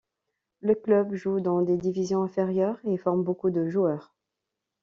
Le club joue dans les divisions inférieures et forme beaucoup de joueurs.